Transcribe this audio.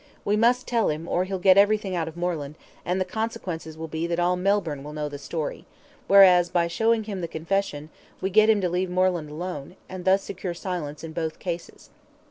We must tell him, or he'll get everything out of Moreland, and the consequences will be that all Melbourne will know the story; whereas, by showing him the confession, we get him to leave Moreland alone, and thus secure silence in both cases."